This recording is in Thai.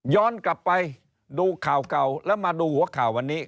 กลับไปดูข่าวเก่าแล้วมาดูหัวข่าววันนี้